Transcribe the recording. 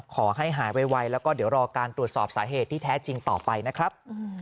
ขอให้หายไวแล้วก็เดี๋ยวรอการตรวจสอบสาเหตุที่แท้จริงต่อไปนะครับ